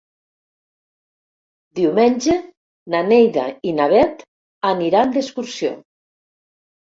Diumenge na Neida i na Bet aniran d'excursió.